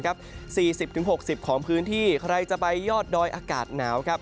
๔๐๖๐ของพื้นที่ใครจะไปยอดดอยอากาศหนาวครับ